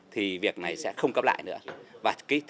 thì việc này sẽ không cấp lại nữa